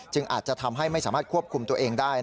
อาจจะทำให้ไม่สามารถควบคุมตัวเองได้